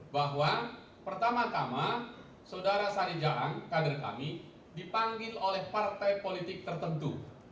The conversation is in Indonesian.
bahwa pertama tama saudara sari jaang kader kami dipanggil oleh partai politik tertentu